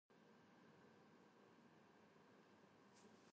Deek Watson always seemed to be in the middle of personality clashes.